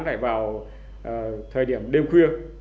là vào thời điểm đêm khuya